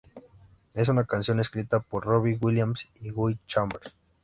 Es una canción escrita por Robbie Williams y Guy Chambers.